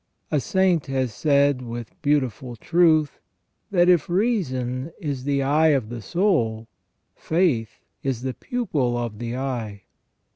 A saint has said with beautiful truth, that if reason is the eye of the soul, faith is the pupil of the eye.